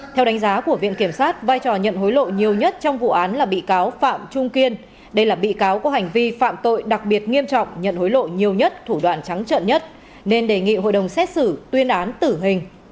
theo đánh giá của viện kiểm sát vai trò nhận hối lộ nhiều nhất trong vụ án là bị cáo phạm trung kiên đây là bị cáo có hành vi phạm tội đặc biệt nghiêm trọng nhận hối lộ nhiều nhất thủ đoạn trắng trận nhất nên đề nghị hội đồng xét xử tuyên án tử hình